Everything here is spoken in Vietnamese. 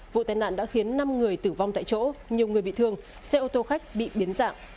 vụ tai nạn đã khiến năm người tử vong tại chỗ nhiều người bị thương xe ô tô khách bị biến dạng